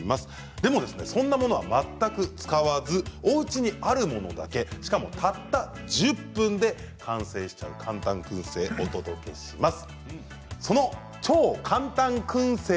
でもそんなものは全く使わずおうちにあるものだけしかもたった１０分で完成しちゃう簡単くん製をお届けします。